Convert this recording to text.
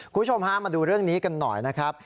คุณผู้ชมฮะมาดูเรื่องนี้กันหน่อยนะครับ